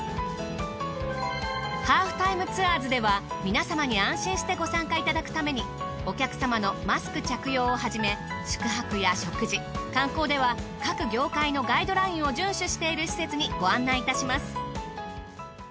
『ハーフタイムツアーズ』では皆様に安心してご参加いただくためにお客様のマスク着用をはじめ宿泊や食事観光では各業界のガイドラインを順守している施設にご案内いたします。